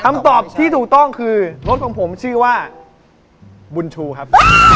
คำตอบที่ถูกต้องคือรถของผมชื่อว่าบุญชูครับ